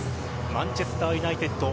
マンチェスターユナイテッド。